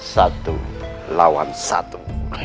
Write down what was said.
satu lawan satu